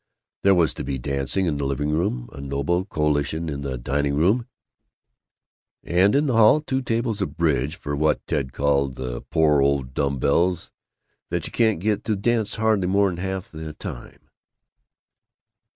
There was to be dancing in the living room, a noble collation in the dining room, and in the hall two tables of bridge for what Ted called "the poor old dumb bells that you can't get to dance hardly more 'n half the time."